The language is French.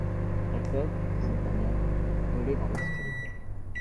Elles peuvent, de cette manière, voler dans l'obscurité.